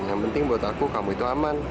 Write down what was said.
yang penting buat aku kamu itu aman